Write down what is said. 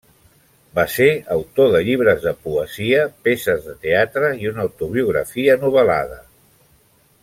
Va ser autor de llibres de poesia, peces de teatre i una autobiografia novel·lada.